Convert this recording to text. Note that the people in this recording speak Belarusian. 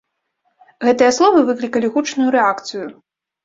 Гэтыя словы выклікалі гучную рэакцыю.